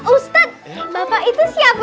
ustadz bapak itu siapa